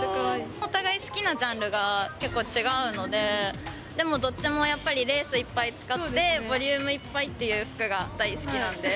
お互い好きなジャンルが結構違うので、でもどっちもやっぱり、レースいっぱい使って、ボリュームいっぱいっていう服が大好きなんで。